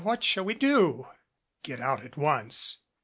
What shall we do?" "Get out at once.